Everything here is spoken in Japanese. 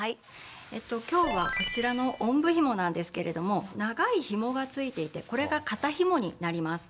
今日はこちらのおんぶひもなんですけれども長いひもがついていてこれが肩ひもになります。